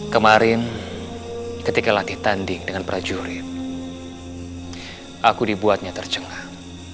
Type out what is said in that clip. kemarin ketika latih tanding dengan prajurit aku dibuatnya tercengah